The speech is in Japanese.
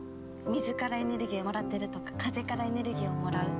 水からエネルギーをもらってるとか風からエネルギーをもらう。